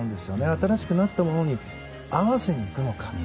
新しくなったものに合わせにいくのか。